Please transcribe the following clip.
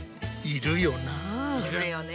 いるよね。